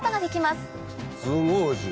すごいおいしい！